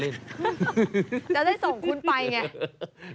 ล้อเล่นจะได้ส่งคุณไปไง